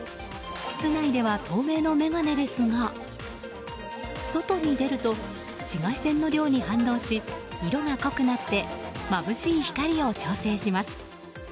室内では透明の眼鏡ですが外に出ると紫外線の量に反応し色が濃くなってまぶしい光を調整します。